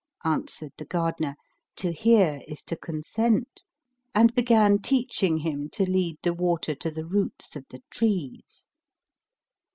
Answered the gardener, "To hear is to consent;" and began teaching him to lead the water to the roots of the trees.